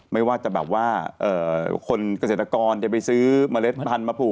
ไม่ว่าจะแบบว่าคนเกษตรกรจะไปซื้อเมล็ดพันธุมาปลูก